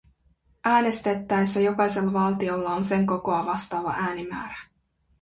Äänestettäessä jokaisella valtiolla on sen kokoa vastaava äänimäärä.